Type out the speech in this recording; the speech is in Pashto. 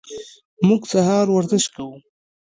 موږ سهار ورزش کوو.